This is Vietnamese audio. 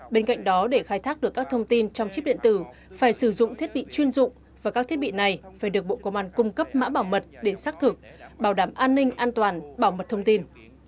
bên cạnh đó để khai thác được các thông tin trong chip điện tử phải sử dụng thiết bị chuyên dụng và các thiết bị này phải được bộ công an cung cấp mã bảo mật để xác thực bảo đảm an ninh an toàn bảo mật thông tin